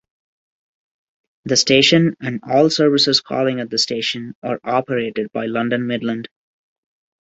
The station and all services calling at the station are operated by London Midland.